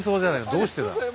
どうしてだ。